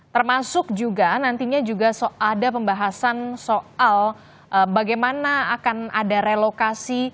termasuk juga nantinya juga ada pembahasan soal bagaimana akan ada relokasi